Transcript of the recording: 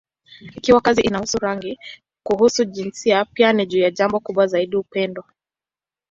Ikiwa kazi inahusu rangi, kuhusu jinsia, pia ni juu ya jambo kubwa zaidi: upendo.